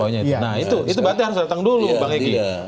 nah itu berarti harus datang dulu bang egy